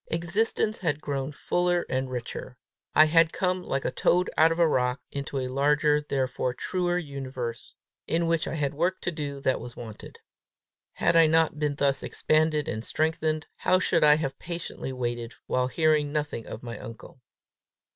Existence had grown fuller and richer; I had come, like a toad out of a rock, into a larger, therefore truer universe, in which I had work to do that was wanted. Had I not been thus expanded and strengthened, how should I have patiently waited while hearing nothing of my uncle!